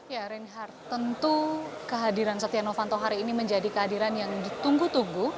ya reinhardt tentu kehadiran setia novanto hari ini menjadi kehadiran yang ditunggu tunggu